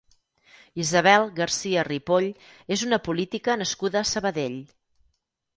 Isabel García Ripoll és una política nascuda a Sabadell.